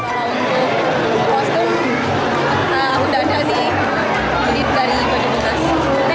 kalau untuk kostum udah ada sih jadi dari kode bekas